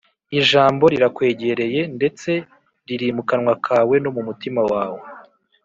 … Ijambo rirakwegereye, ndetse riri mu kanwa kawe no mu mutima wawe: